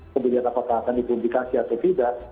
kemudian apakah akan di publikasi atau tidak